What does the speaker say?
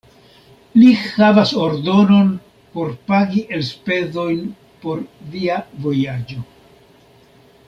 Li havas ordonon por pagi elspezojn por via vojaĝo.